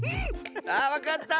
あっわかった！